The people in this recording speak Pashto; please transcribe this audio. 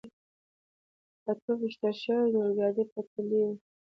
په توپ ویشتل شوې د اورګاډي پټلۍ وه.